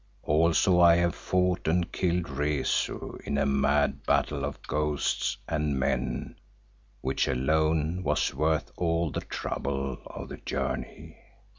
Also I have fought and killed Rezu in a mad battle of ghosts and men which alone was worth all the trouble of the journey.